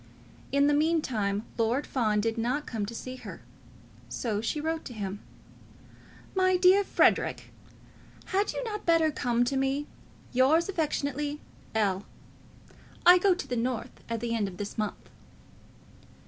In the meantime, Lord Fawn did not come to see her. So she wrote to him. "My dear Frederic, had you not better come to me? Yours affectionately, L. I go to the North at the end of this month."